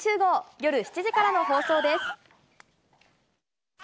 夜７時からの放送です。